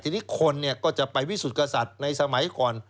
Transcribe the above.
ทีนี้คนก็จะไปวิสุทธิ์กษัตริย์ในสมัยก่อน